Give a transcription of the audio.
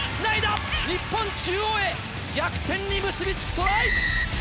日本中央へ逆転に結び付くトライ！